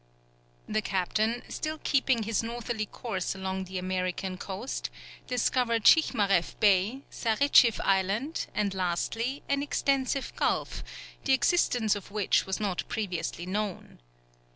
The captain, still keeping his northerly course along the American coast, discovered Schichmareff Bay, Saritschiff Island, and lastly, an extensive gulf, the existence of which was not previously known.